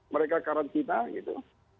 mereka karantina gitu